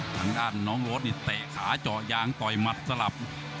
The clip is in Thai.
ทางด้านน้องโรดนี่เตะขาเจาะยางต่อยหมัดสลับ